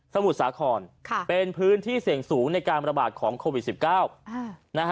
มุทรสาครเป็นพื้นที่เสี่ยงสูงในการระบาดของโควิด๑๙